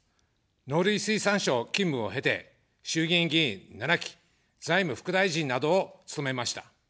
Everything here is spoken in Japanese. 農林水産省勤務を経て、衆議院議員７期、財務副大臣などを務めました。